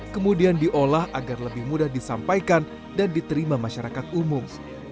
kemudian diolah agar lebih mudah disampaikan dan diterima masyarakat umum